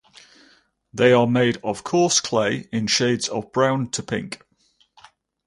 They are made of coarse clay in shades of brown to pink.